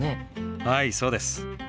はいそうです。